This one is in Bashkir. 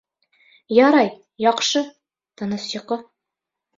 Ярай, яҡшы! Тыныс йоҡо!